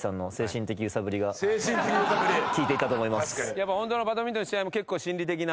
やっぱホントのバドミントンの試合も結構心理的な。